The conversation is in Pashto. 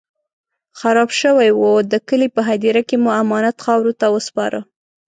خراب شوی و، د کلي په هديره کې مو امانت خاورو ته وسپاره.